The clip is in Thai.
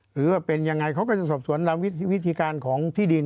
หรือว่าเป็นยังไงเขาก็จะสอบสวนตามวิธีการของที่ดิน